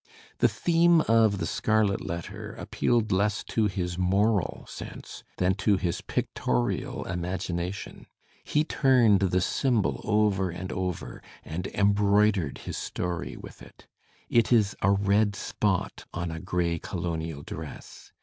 The theme of "The Scarlet < Letter" appealed less to his moral sense than to his pictorial imagination. He turned the symbol over and over, and embroidered his story with it. It is a red spot on a gray colonial dress.